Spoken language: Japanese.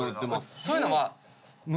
そういうのは。